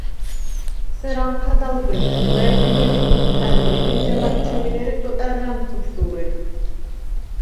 სერ ანჴა̈დ ალ ბეფშვ, ლა̈იბინე ლიკურთხა̈ნიე̄ლ ი ეჯამა̈გ ჩვემინ, ერე ტოტა̈რ ჟ’ა̈ნფუშდუ̄რე.